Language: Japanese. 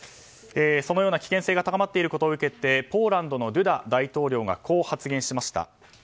そのような危険性が高まっていることを受けてポーランドのドゥダ大統領がこう発言しました。